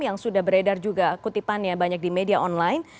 yang sudah beredar juga kutipannya banyak di media online